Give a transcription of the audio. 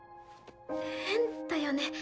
変だよね。